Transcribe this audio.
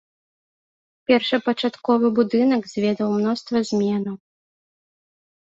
Першапачатковы будынак зведаў мноства зменаў.